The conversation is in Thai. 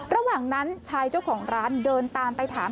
ระหว่างนั้นชายเจ้าของร้านเดินตามไปถาม